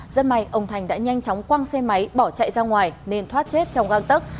rất may ông thành đã nhanh chóng quăng xe máy bỏ chạy ra ngoài nên thoát chết trong găng tấc